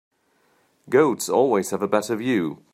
Goats always have a better view.